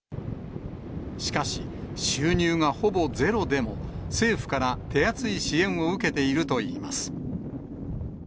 しかし、収入がほぼゼロでも、政府から手厚い支援を受けているといいます。